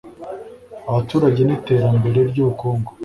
abaturage n iterambere ry ubukungu